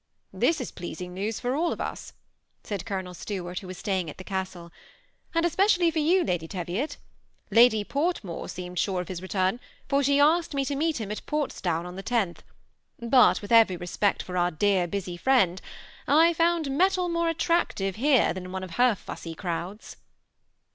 ^ This is pleasing news for all of us," said Cdooel Stuart, who was staying at the castle, ^ and eapeciaJij' for 70a, Ladj TevioL Ladj Fortmore seemed sure of his retarm for she asked me to meet him at Portsdown on the lOtb ; but, with every respect for our dear boajr firiecid, I found ^metal more attractive' here than in one of her fussy crowds."